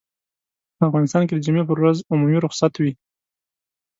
په افغانستان کې د جمعې پر ورځ عمومي رخصت وي.